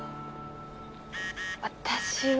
私は。